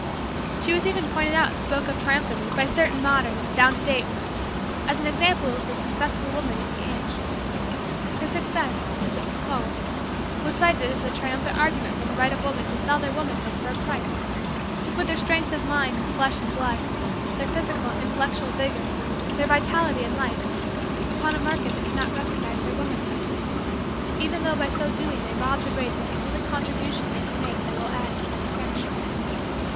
She was even pointed out and spoken of triumphantly, by certain modern, down to date, ones, as an example of the successful woman of the age. Her success as it was called was cited as a triumphant argument for the right of women to sell their womanhood for a price: to put their strength of mind and flesh and blood, their physical and intellectual vigor, their vitality and life, upon a market that cannot recognize their womanhood; even though by so doing they rob the race of the only contribution they can make that will add to its perfection.